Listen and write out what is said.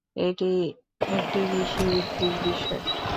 এটি একটি কৃষিভিত্তিক উৎসব।